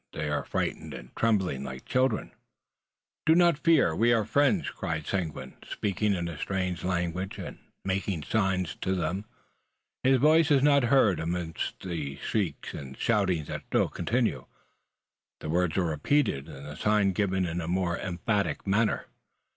They are frightened, and tremble like children. "Do not fear; we are friends!" cried Seguin, speaking in a strange language, and making signs to them. His voice is not heard amidst the shrieks and shouting that still continue. The words are repeated, and the sign given in a more emphatic manner.